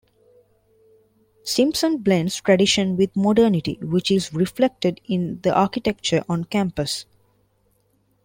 Simpson blends tradition with modernity which is reflected in the architecture on campus.